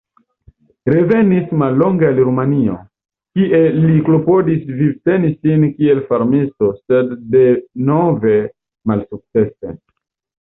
Revenis mallonge al Rumanio, kie li klopodis vivteni sin kiel farmisto, sed denove malsukcese.